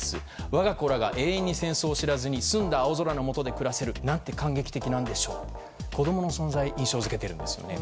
我が子らが永遠に戦争を知らずに澄んだ青空のもとで暮らせる何て感激的なんでしょうと子供の存在を印象付けているんですよね。